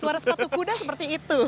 suara sepatu kuda seperti itu